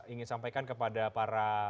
ingin sampaikan kepada para